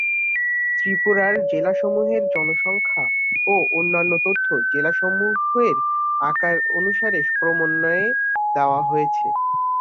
ত্রিপুরার জেলাসমূহের জনসংখ্যা ও অন্যান্য তথ্য জেলাসমূহের আকার অনুসারে ক্রমান্বয়ে দেয়া হয়েছে।